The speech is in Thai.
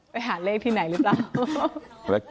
ไปหาเลขที่ไหนหรือเปล่า